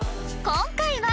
今回は